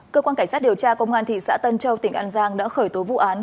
cơ quan cảnh sát điều tra công an thị xã tân châu tỉnh an giang đã khởi tố vụ án